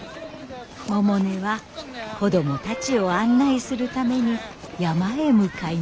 百音は子供たちを案内するために山へ向かいました。